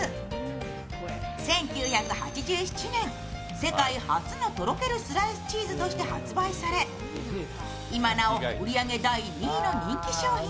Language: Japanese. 世界初のとろけるスライスチーズとして発売され、今なお売り上げ第２の人気商品。